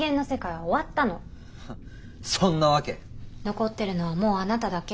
残ってるのはもうあなただけ。